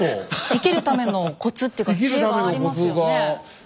生きるためのコツっていうか知恵がありますよね。